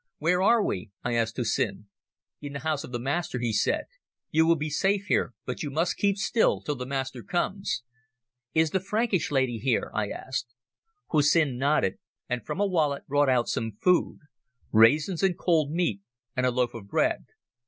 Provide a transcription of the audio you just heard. "Where are we?" I asked Hussin. "In the house of the Master," he said. "You will be safe here, but you must keep still till the Master comes." "Is the Frankish lady here?" I asked. Hussin nodded, and from a wallet brought out some food—raisins and cold meat and a loaf of bread.